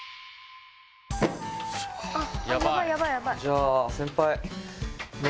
じゃあ先輩。